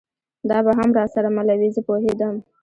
دا به هم را سره مله وي، زه پوهېدم.